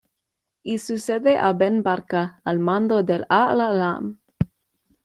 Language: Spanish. Y sucede a Ben Barka al mando del "Al Alam.